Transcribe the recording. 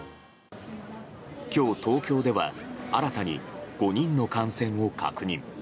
今日、東京では新たに５人の感染を確認。